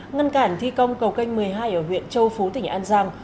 ngăn cản thi công cầu canh một mươi hai ở huyện châu phú tỉnh an giang